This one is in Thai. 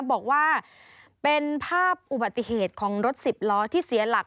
บอกว่าเป็นภาพอุบัติเหตุของรถสิบล้อที่เสียหลัก